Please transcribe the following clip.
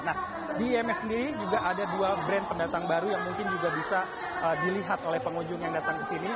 nah di ims sendiri juga ada dua brand pendatang baru yang mungkin juga bisa dilihat oleh pengunjung yang datang ke sini